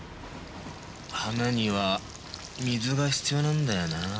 花には水が必要なんだよなぁ。